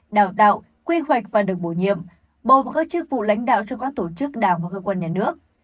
đào tạo quy hoạch và được bổ nhiệm bộ và các chức vụ lãnh đạo trong các tổ chức đảng và cơ quan nhà nước